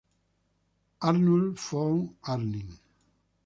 Arnulf von Arnim.